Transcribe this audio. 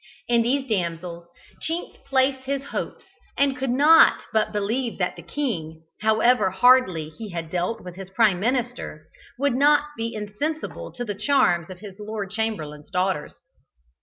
In these damsels Chinks placed his hopes, and could not but believe that the king, however hardly he had dealt with his Prime Minister, would not be insensible to the charms of his Lord Chamberlain's daughters.